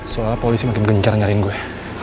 seolah polisi makin gencar nyariin gua